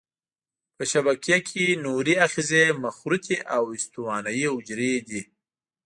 په شبکیه کې نوري آخذې مخروطي او استوانه یي حجرې دي.